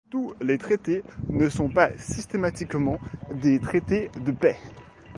Tous les traités ne sont pas systématiquement des traités de paix.